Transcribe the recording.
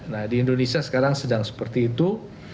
nah di indonesia sekarang sedang seperti itu